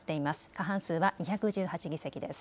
過半数は２１８議席です。